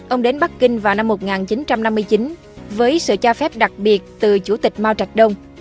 ông đến bắc kinh vào năm một nghìn chín trăm năm mươi chín với sự cho phép đặc biệt từ chủ tịch mao trạch đông